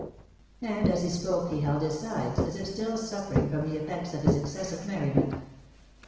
And as he spoke he held his sides, as if still suffering from the effects of his excessive merriment.